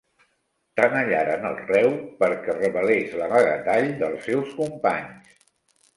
Tenallaren el reu perquè revelés l'amagatall dels seus companys.